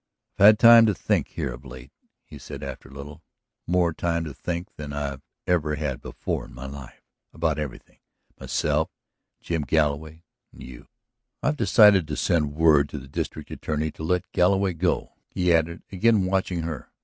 "I've had time to think here of late," he said after a little. "More time to think than I've ever had before in my life. About everything; myself and Jim Galloway and you. ... I have decided to send word to the district attorney to let Galloway go," he added, again watching her.